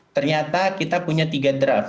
ternyata kita punya tiga draft